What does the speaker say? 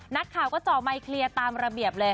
นักข่าวก็จ่อไมค์เคลียร์ตามระเบียบเลย